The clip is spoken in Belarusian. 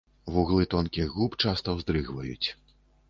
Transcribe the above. Вуглы тонкіх губ часта уздрыгваюць.